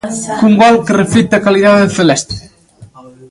Cun gol que reflicte a calidade celeste.